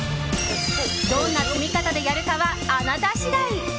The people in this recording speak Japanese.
どんな積み方でやるかはあなた次第。